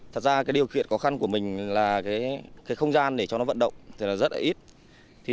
thật ra điều kiện khó khăn của mình là không gian để cho nó vận động rất ít